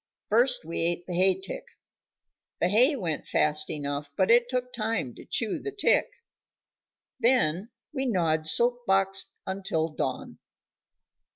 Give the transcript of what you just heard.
First we ate the hay tick; the hay went fast enough, but it took time to chew the tick. Then we gnawed soap box until dawn.